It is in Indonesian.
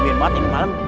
biar banget ini malem